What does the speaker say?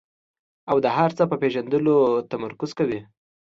او د هر څه په پېژندلو تمرکز کوي.